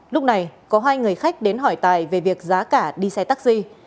lúc này có hai người khách đến hỏi tài về việc giá cả đi xe taxi